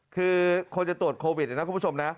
คือคนจะตรวจโควิดนะคุณผู้ชมนะ